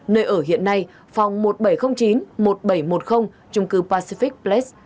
nơi ở hiện nay phòng một nghìn bảy trăm linh chín một nghìn bảy trăm một mươi trung cư pacific pleis